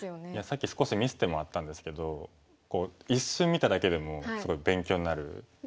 さっき少し見せてもらったんですけどこう一瞬見ただけでもすごい勉強になる。